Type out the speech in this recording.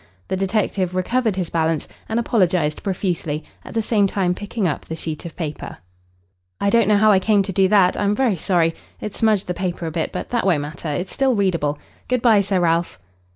The detective recovered his balance and apologised profusely, at the same time picking up the sheet of paper. "I don't know how I came to do that. I am very sorry. It's smudged the paper a bit, but that won't matter. It's still readable. Good bye, Sir Ralph."